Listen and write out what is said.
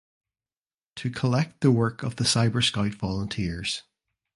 To collect the work of the Cyber Scout volunteers.